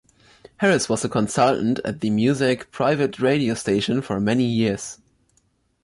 Harris was a consultant at the Muzak private radio station for many years.